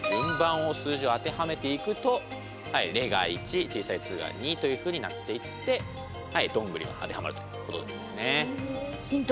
数字を当てはめていくと「レ」が１小さい「ッ」が２というふうになっていって「ドングリ」が当てはまるということですね。